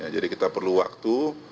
jadi kita perlu waktu